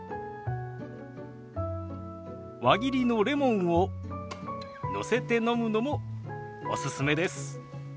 輪切りのレモンをのせて飲むのもおすすめです。